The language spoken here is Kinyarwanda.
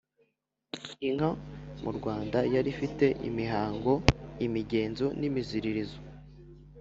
inka mu rwanda yari ifite imihango, imigenzo n’imiziririzo